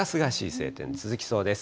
晴天続きそうです。